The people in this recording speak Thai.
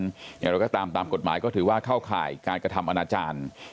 อย่างไรก็ตามตามกฎหมายก็ถือว่าเข้าข่ายการกระทำอนาจารย์